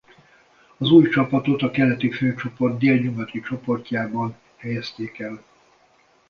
Az új csapatot a Keleti főcsoport Délnyugati csoportjában helyezték el.